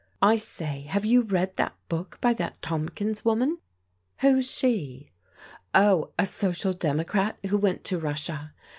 I say, have you read that book by that Tomkins woman ?" "Who's she?" " Oh, a social democrat who went to Russia.